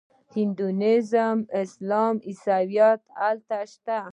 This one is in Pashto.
هندویزم اسلام او عیسویت هلته شته.